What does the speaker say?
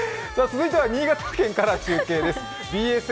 続いては新潟県から中継です。